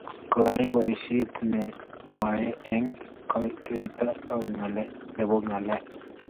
koyai boisie ne mye eng' kekoitoi ng'alek.